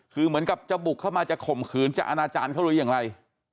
คือเหมือนกับจะบุกเข้ามาจะข่มขืนจะอนาจารย์เขาหรืออย่างไร